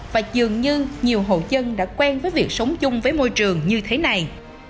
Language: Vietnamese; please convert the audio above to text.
và dường như nhiều hộ dân đã quen với việc sống chung với môi trường như thế này